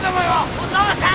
お父さん！